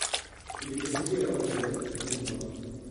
Il est décédé à onze heures, il est mort.